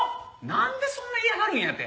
なんでそんな嫌がるんやて。